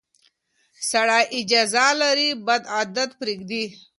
سړی اجازه لري بد عادت پرېږدي.